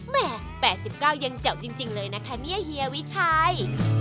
แม่๘๙ยังแจ่วจริงเลยนะคะเนี่ยเฮียวิชัย